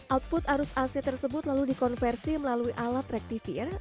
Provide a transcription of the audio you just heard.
output arus ac tersebut lalu dikonversi melalui alat rektivier